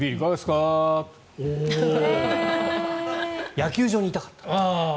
野球場にいたかった。